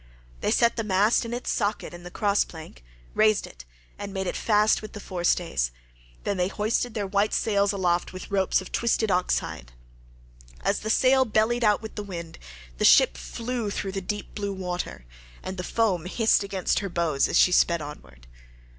They set the mast in its socket in the cross plank, raised it, and made it fast with the forestays; then they hoisted their white sails aloft with ropes of twisted ox hide. As the sail bellied out with the wind, the ship flew through the deep blue water, and the foam hissed against her bows as she sped onward.